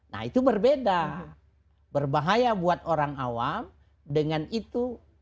nah itu berbeda berbahaya buat orang awam dengan itu